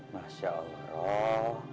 masya allah rob